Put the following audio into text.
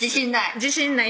自信ない？